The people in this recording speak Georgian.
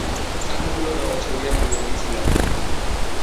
საქართველო გამორჩეულია ბუნებით სილამაზით